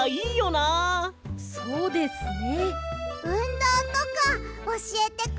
まあそうですね。